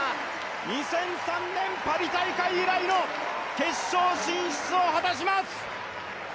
２００３年、パリ大会以来の決勝進出を果たします。